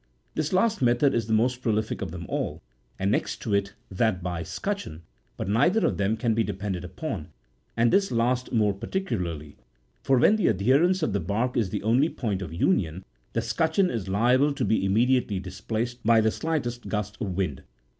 This last method is the most prolific of them all, and next to it that by scutcheon, but neither of them can be depended upon, and this last more particularly ; for when the adherence of the bark is the only point of union the scutcheon is liable to be immediately dis placed by the slightest gust of wind.